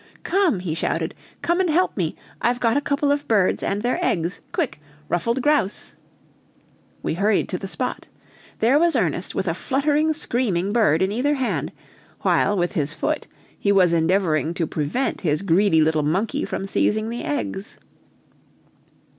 "Come!" he shouted; "come and help me! I've got a couple of birds and their eggs. Quick! Ruffed grouse!" We hurried to the spot. There was Ernest with a fluttering, screaming bird in either hand; while, with his foot, he was endeavoring to prevent his greedy little monkey from seizing the eggs.